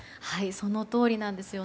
そのとおりなんです。